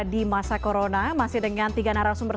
di masa corona masih dengan tiga narasumber